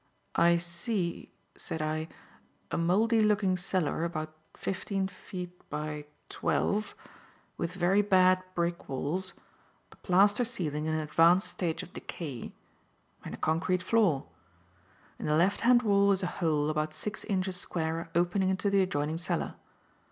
"I see," said I, "a mouldy looking cellar about fifteen feet by twelve, with very bad brick walls, a plaster ceiling in an advanced stage of decay, and a concrete floor. In the left hand wall is a hole about six inches square opening into the adjoining cellar.